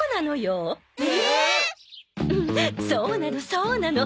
そうなの！